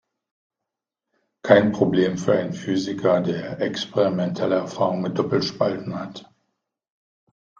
Kein Problem für einen Physiker, der experimentelle Erfahrung mit Doppelspalten hat.